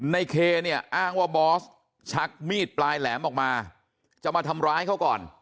ในเคเนี่ยอ้างว่าบอสชักมีดปลายแหลมออกมาจะมาทำร้ายเขาก่อน